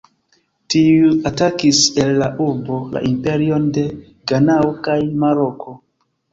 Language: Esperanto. Tiuj atakis el la urbo la imperion de Ganao kaj Maroko.